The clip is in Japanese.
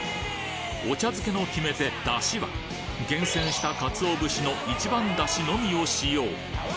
お茶漬けの決め手、だしは、厳選したカツオ節の一番だしのみを使用。